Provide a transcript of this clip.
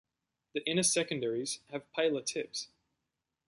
The inner-secondaries have paler tips.